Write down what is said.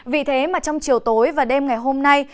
vì thế mà trong chiều tối và đêm ngày hôm nay